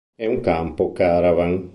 È un campo caravan.